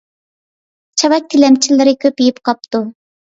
چاۋاك تىلەمچىلىرى كۆپىيىپ قاپتۇ.